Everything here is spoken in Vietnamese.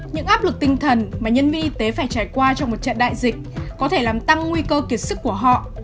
những áp lực tinh thần mà nhân viên y tế phải trải qua trong một trận đại dịch có thể làm tăng nguy cơ kiệt sức của họ